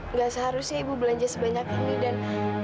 nggak seharusnya ibu belanja sebanyak ini dan